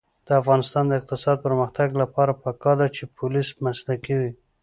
د افغانستان د اقتصادي پرمختګ لپاره پکار ده چې پولیس مسلکي وي.